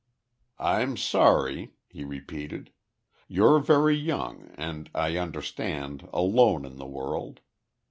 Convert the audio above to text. "I'm sorry," he repeated. "You're very young, and I understand, alone in the world.